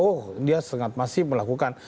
oh dia sangat masif melakukan